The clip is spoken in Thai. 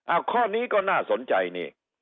อ้าวข้อนี้ก็น่าสนใจเนี่ย